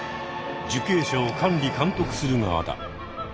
受刑者を管理・監督する側だ。